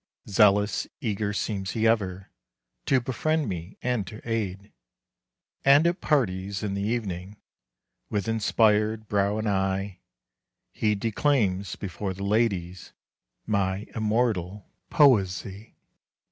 Zealous, eager seems he ever To befriend me and to aid. And at parties in the evening, With inspired brow and eye, He declaims before the ladies My immortal poesy.